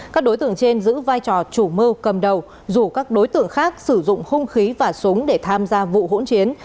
các đối tượng trên giữ vai trò chủ mưu cầm đầu rủ các đối tượng khác sử dụng hung khí và súng để tham gia vụ hỗn chiến